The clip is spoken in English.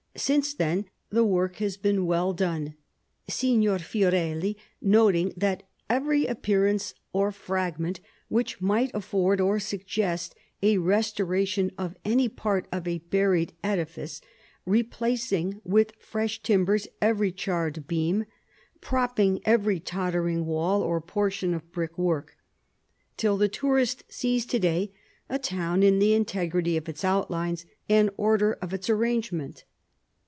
Since then, the work has been well done, Signor Fiorelli noting "every appearance or fragment which might afford or suggest a restoration of any part of a buried edifice; replacing with fresh timbers every charred beam, propping every tottering wall or portion of brick work," till the tourist sees to day a town in the integrity of its outlines and order of its arrangement.